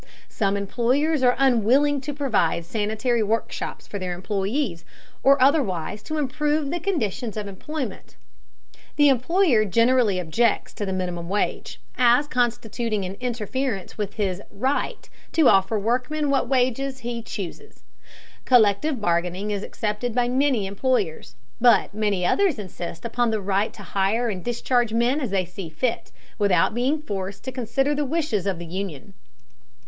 Some employers are unwilling to provide sanitary workshops for their employees, or otherwise to improve the conditions of employment. The employer generally objects to the minimum wage, as constituting an interference with his "right" to offer workmen what wages he chooses. Collective bargaining is accepted by many employers, but many others insist upon the right to hire and discharge men as they see fit, without being forced to consider the wishes of the union.